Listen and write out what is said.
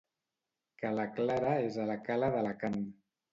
Ca la Clara és a la cala d'Alacant.